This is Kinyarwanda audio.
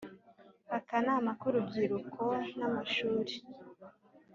Akanama k urubyiruko n amashuri